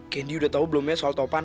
kendi udah tahu belum ya soal topan